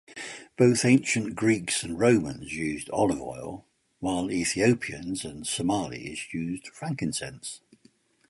Both ancient Greeks and Romans used olive oil, while Ethiopians and Somalis used frankincense.